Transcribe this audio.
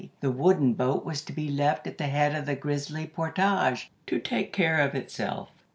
The wooden boat was to be left at the head of Grizzly Portage to take care of itself.